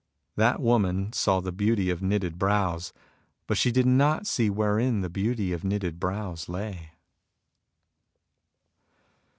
That woman saw the beauty of knitted brows, but she did not see wherein the beauty of knitted brows lay.